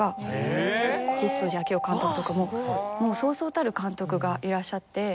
もうそうそうたる監督がいらっしゃって。